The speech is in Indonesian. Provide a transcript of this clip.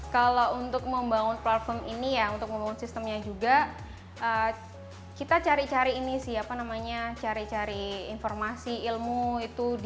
kalau untuk membangun platform ini ya untuk membangun sistemnya juga kita cari cari ini sih apa namanya cari cari informasi ilmu itu